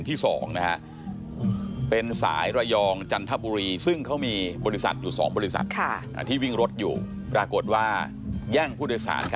แต่เมื่อวานเป็นวินรถตู้